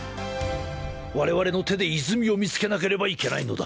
我々の手で泉を見つけなければならないんだ。